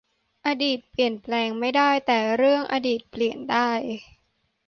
อดีตเปลี่ยนแปลงไม่ได้ แต่ 'เรื่องอดีต' เปลี่ยนได้